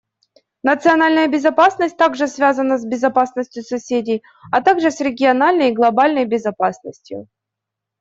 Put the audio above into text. Национальная безопасность также связана с безопасностью соседей, а также с региональной и глобальной безопасностью.